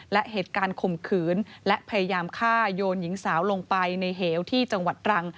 และเหตุการณ์ข่มขืนและพยายามฆ่าโยนหญิงสาวลงไปในเหวที่จังหวัดตรัง